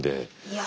いや。